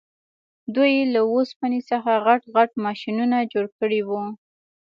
دوی له اوسپنې څخه غټ غټ ماشینونه جوړ کړي وو